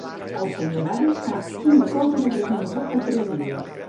El senyor Varys sap quina cosa vas esmorzar fa tres dies.